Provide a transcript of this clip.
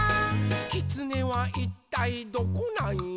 「きつねはいったいどこなんよ？」